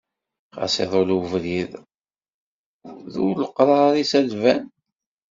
Ɣas iḍul ubrid d uleqrar-is ad d-tban.